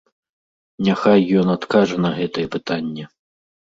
Няхай ён адкажа на гэтае пытанне.